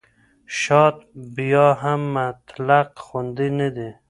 شات بیا هم مطلق خوندي نه دی.